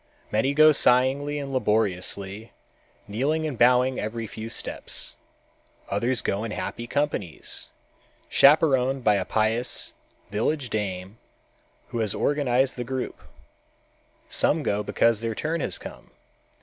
Many go singly and laboriously, kneeling and bowing every few steps. Others go in happy companies, chaperoned by a pious, village dame, who has organized the group. Some go because their turn has come.